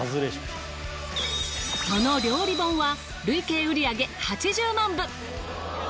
その料理本は累計売上８０万部。